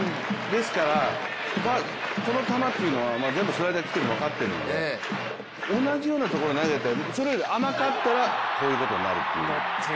ですから、この球というのは全部スライダーで来ているのは分かっているので同じようなところに投げてそれより甘かったらこういうことになるっていう。